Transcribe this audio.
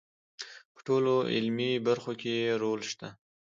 په ټولو علمي برخو کې یې رول شته.